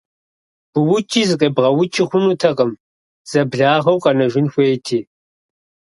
Быукӏи зыкъебгъэукӏи хъунутэкъым, зэблагъэу къэнэжын хуейти.